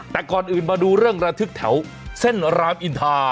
แต่ก่อนอื่นมาดูเรื่องระทึกแถวเส้นรามอินทา